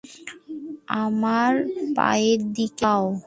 আমার পায়ের দিকে তাকাও।